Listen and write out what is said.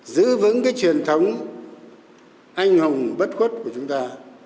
giữ vững cái truyền thống anh hùng bất khuất của chúng ta